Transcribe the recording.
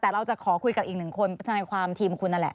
แต่เราจะขอคุยกับอีกหนึ่งคนทนายความทีมคุณนั่นแหละ